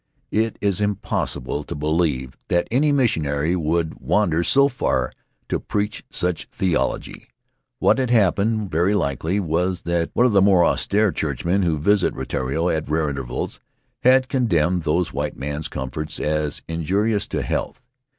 It is impossible to believe that any missionary would wan der so far to preach such theology. What had hap pened, very likely, was that one of the more austere churchmen who visit Rutiaro at rare intervals had condemned those white man's comforts as injurious to health.